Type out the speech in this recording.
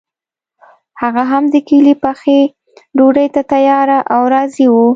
هغه هم د کلي پخې ډوډۍ ته تیار او راضي وو.